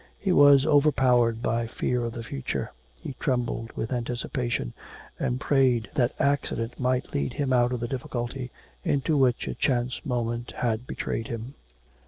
He was overpowered by fear of the future; he trembled with anticipation, and prayed that accident might lead him out of the difficulty into which a chance moment had betrayed him.